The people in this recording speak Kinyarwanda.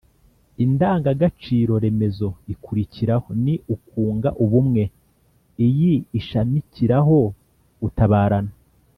indangagaciro remezo ikurikiraho ni «ukunga ubumwe». iyi ishamikiraho gutabarana,